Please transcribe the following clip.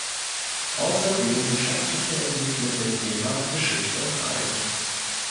Außerdem beschäftigte er sich mit dem Thema "Geschichte und Reisen".